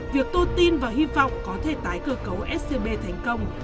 việc tôi tin và hy vọng có thể tái cơ cấu scb thành công